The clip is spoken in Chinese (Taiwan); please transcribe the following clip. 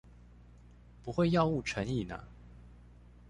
不會藥物成癮啊？